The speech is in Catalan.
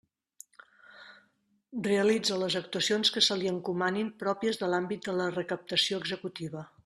Realitza les actuacions que se li encomanin pròpies de l'àmbit de la recaptació executiva.